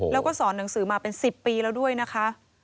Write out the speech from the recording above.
แล้วก็สอนหนังสือมาเป็น๑๐ปีแล้วด้วยนะคะ